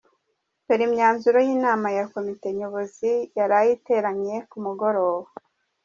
Dore imyanzuro y’inama ya komite nyobozi yaraye iteranye ku mugoroba.